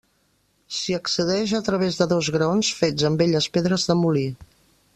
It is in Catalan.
S'hi accedeix a través de dos graons fets amb velles pedres de molí.